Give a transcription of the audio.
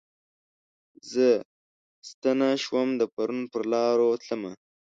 زه ستنه شوم د پرون پرلارو تلمه